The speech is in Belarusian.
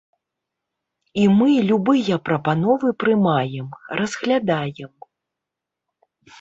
І мы любыя прапановы прымаем, разглядаем.